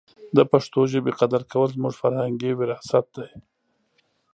د پښتو ژبې قدر کول زموږ فرهنګي وراثت دی.